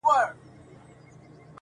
نه هغه غر- نه دامانه سته زه به چیري ځمه-